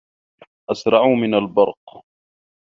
أسرع من البرق